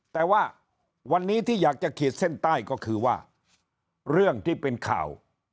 แต่ว่าวันนี้ที่อยากจะขีดเส้นใต้ก็คือว่าเรื่องที่เป็นข่าว